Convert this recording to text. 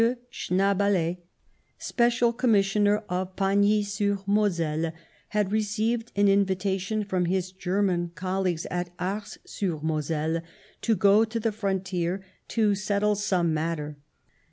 Schnaebele, Special Commissioner at Pagny sur Moselle, had received an invitation from his German colleagues at Ars sur Moselle to b8l6 aflaJr' §^*°*^^ frontier to settle some matter.